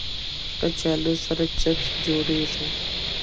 کچالو سره چپس جوړېږي